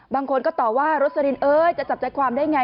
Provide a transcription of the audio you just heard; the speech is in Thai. บางคนก็ตอบว่ารสลินเอ้ยจะจับใจความได้ไง